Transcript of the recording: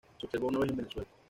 Se observó una vez en Venezuela.